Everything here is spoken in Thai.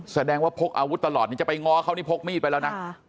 แสดงว่าพกอาวุธตลอดนี้จะไปง้อเขานี่พกมีดไปแล้วนะ